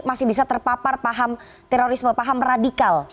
masih bisa terpapar paham terorisme paham radikal